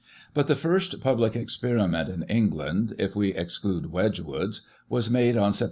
But the first public experiment in England (if we exclude Wedgwood's) was made, on Sept.